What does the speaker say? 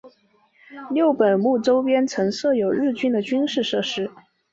六本木周边曾设有日军的军事设施。